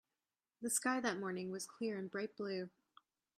The sky that morning was clear and bright blue.